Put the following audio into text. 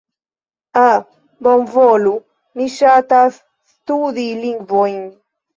Ah... Bonvolu, mi ŝatas studi lingvojn...